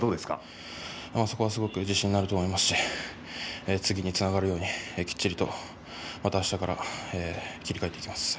そこは自信になると思いますし次につながるようにきっちりとまた、あしたから切り替えていきます。